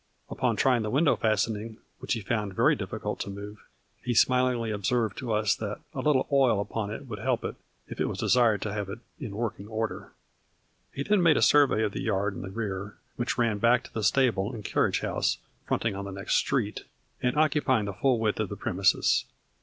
Upon trying the window fasten ing, which he found very difficult to move, he smilingly observed to us that "a little oil upon it would help it, if it was desired to have it in working order." He then made a survey of the yard in the rear, which ran back to the stable and carriage house fronting on the next street, and occupying the full width of the premises.